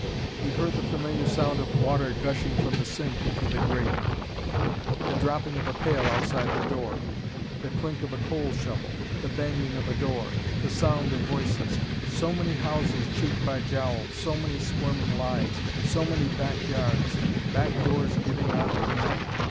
He heard the familiar sound of water gushing from the sink in to the grate, the dropping of a pail outside the door, the clink of a coal shovel, the banging of a door, the sound of voices. So many houses cheek by jowl, so many squirming lives, so many back yards, back doors giving on to the night.